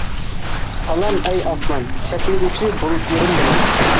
سالام، ئەي ئاسمان، چەكلىگۈچى بۇلۇتلىرىم بىلەن.